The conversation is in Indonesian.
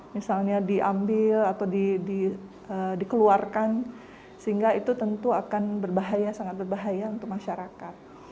misalnya diambil atau dikeluarkan sehingga itu tentu akan berbahaya sangat berbahaya untuk masyarakat